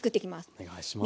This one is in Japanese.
お願いします。